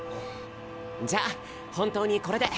じゃ本当にこれで！